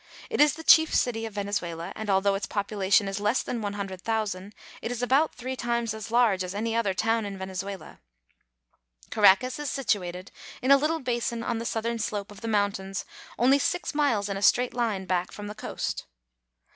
It is the chief city of Venezuela, and although its population is less than one hundred thousand, it is about three times as large as any other town in Vene zuela. Caracas is situated in a little basin on the southern slope of the mountains, only six miles in a straight line back y' .'"■■,'■.,,■ Statue of Washington. from the coast.